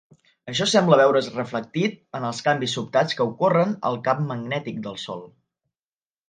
Això sembla veure's reflectit en els canvis sobtats que ocorren al camp magnètic del Sol.